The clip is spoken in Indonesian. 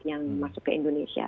yang masuk ke indonesia